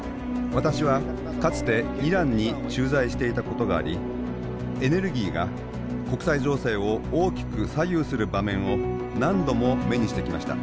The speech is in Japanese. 私はかつてイランに駐在していたことがありエネルギーが国際情勢を大きく左右する場面を何度も目にしてきました。